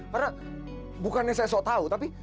karena bukannya saya sok tau tapi